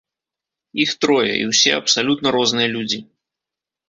Іх трое, і ўсе абсалютна розныя людзі.